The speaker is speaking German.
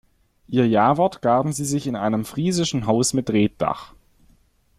Ihr Jawort gaben sie sich in einem friesischen Haus mit Reetdach.